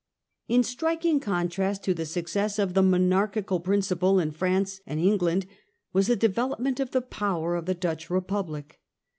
In striking contrast to the success of the monarchical principle in France and England was the development Nature of °* P ower ^ 1C Dutch Republic.